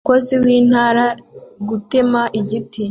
umukozi w'intara gutema igiti